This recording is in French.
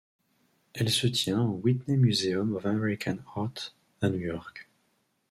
Elle se tient au Whitney Museum of American Art, à New York.